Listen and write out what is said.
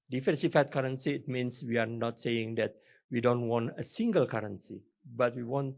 memperlembabkan kewangan itu berarti kita tidak mengatakan bahwa kita tidak ingin sebuah kewangan